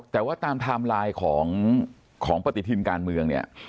แต่ว่าตามไทม์ไลน์ของปฏิทินการเมืองเนี่ย